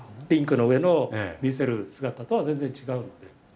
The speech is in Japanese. リンクの上の見せる姿とは全然違う。